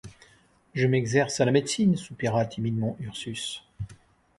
Je m’exerce à la médecine, soupira timidement Ursus.